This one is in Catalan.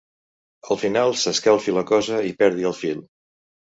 Al final s'escalfi la cosa i perdi el fil.